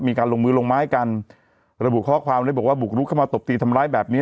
มีการลงมือลงไม้กันระบุข้อความเลยบอกว่าบุกรุกเข้ามาตบตีทำร้ายแบบนี้